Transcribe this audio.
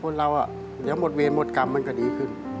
คนเราเดี๋ยวหมดเวรหมดกรรมมันก็ดีขึ้น